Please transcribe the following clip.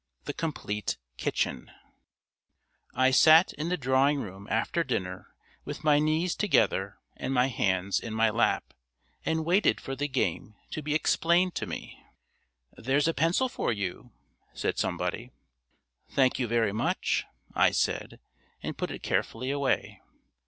THE COMPLETE KITCHEN I sat in the drawing room after dinner with my knees together and my hands in my lap, and waited for the game to be explained to me. "There's a pencil for you," said somebody. "Thank you very much," I said and put it carefully away.